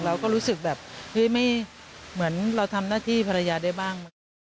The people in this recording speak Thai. เราก็รู้สึกแบบเฮ้ยไม่เหมือนเราทำหน้าที่ภรรยาได้บ้าง